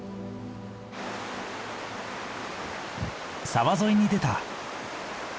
沢沿いに出た。